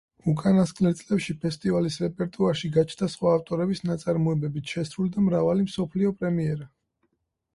უკანასკნელ წლებში ფესტივალის რეპერტუარში გაჩნდა სხვა ავტორების ნაწარმოებებიც, შესრულდა მრავალი მსოფლიო პრემიერა.